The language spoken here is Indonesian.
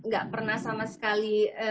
gak pernah sama sekali